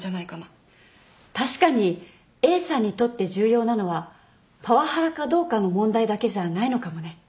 確かにＡさんにとって重要なのはパワハラかどうかの問題だけじゃないのかもね。